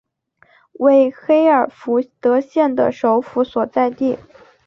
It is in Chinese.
为黑尔福德县的首府所在地。